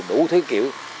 đủ thứ kiểu